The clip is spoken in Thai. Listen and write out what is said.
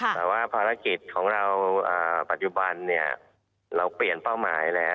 แต่ว่าภารกิจของเราปัจจุบันเราเปลี่ยนเป้าหมายแล้ว